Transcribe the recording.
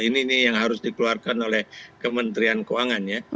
ini yang harus dikeluarkan oleh kementerian keuangan ya